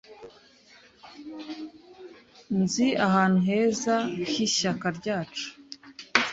Nzi ahantu heza h'ishyaka ryacu.